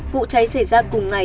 vụ cháy xảy ra cùng ngày